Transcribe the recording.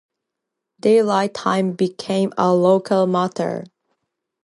Daylight time became a local matter.